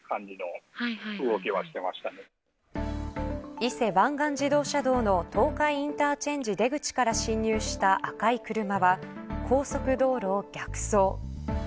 伊勢湾岸自動車道の東海インターチェンジ出口から進入した赤い車は高速道路を逆走。